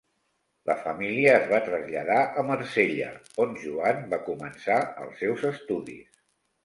La família es va traslladar a Marsella, on Joan va començar els seus estudis.